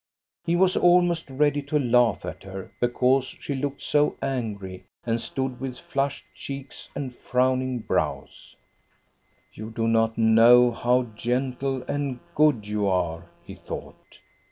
He was almost ready to laugh at her, because she looked so angry and stood with flushed cheeks and frowning brows. " You do not know how gentle and good you are," he thought.